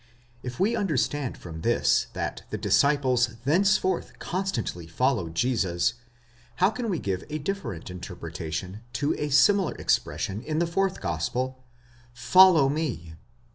If we understand from this that the disciples thenceforth constantly followed Jesus, how can we give a differ ent interpretation to the similar expression in the fourth gospel, Fo/low me